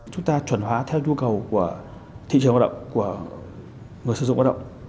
chúng ta chuẩn hóa theo nhu cầu của thị trường lao động của người sử dụng lao động